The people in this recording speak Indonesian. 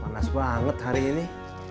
manas banget hari ini